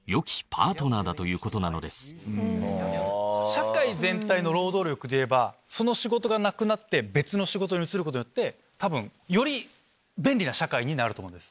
社会全体の労働力でいえばその仕事がなくなって別の仕事に移ることによってより便利な社会になると思うんです。